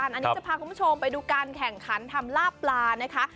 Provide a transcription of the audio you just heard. อันนี้จะพาคุณผู้ชมไปดูการแข่งขันทำลาบปลานะคะ